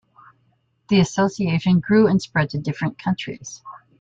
The association grew and spread to different countries.